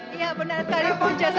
pemerintahan india ini dinosaurus juga